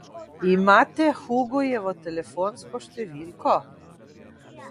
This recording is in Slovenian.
Imate Hugojevo telefonsko številko?